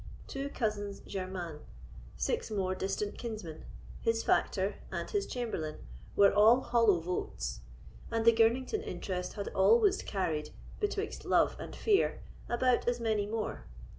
Two cousins german, six more distant kinsmen, his factor and his chamberlain, were all hollow votes; and the Girnington interest had always carried, betwixt love and fear, about as many more.